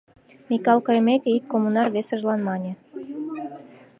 Микал кайымеке, ик коммунар весыжлан мане: